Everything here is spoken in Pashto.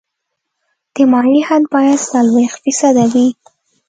د مایع حد باید څلوېښت فیصده وي